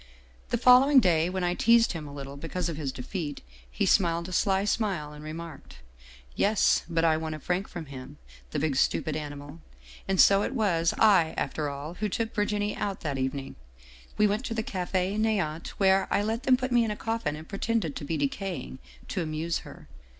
" The following day, when I teased him a little because of his defeat, he smiled a sly smile and remarked :' Yes, but I won a franc from him, the big stupid ani^ mal. And so it was I, after all, who took Virginie out that evening. We went to the Cafe " Neant," where I let them put me in the coffin and pretend to be decaying, to amuse her.